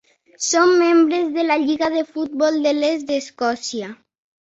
Són membres de la Lliga de Futbol de l'Est d'Escòcia.